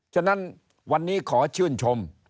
ฉะนั้นวันนี้ขอชื่นชม